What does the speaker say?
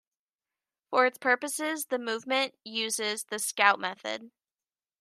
For its purposes the movement uses the scout method.